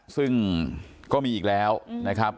ซึ่งก็มีอีกแล้วนะครับ